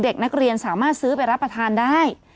เด็กนักเรียนสามารถซื้อไปรับประทานได้